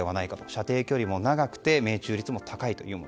射程距離も長くて命中率も高いと。